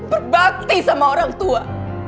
berbakti sama orang tua